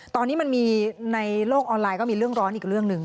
ตอนนี้มันมีในโลกออนไลน์ก็มีเรื่องร้อนอีกเรื่องหนึ่ง